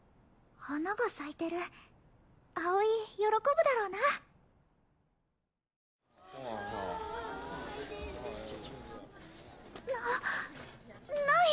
花が咲いてる葵喜ぶだろうななない！